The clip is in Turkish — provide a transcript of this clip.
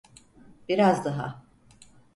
Biraz daha.